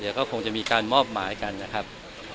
เดี๋ยวก็คงจะมีการมอบหมายกันนะครับ